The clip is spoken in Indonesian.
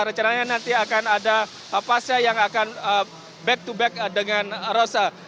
rencananya nanti akan ada pasca yang akan back to back dengan rosa